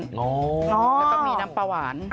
แล้วก็มีน้ำปลาหวาน